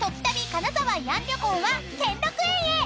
金沢慰安旅行は兼六園へ！］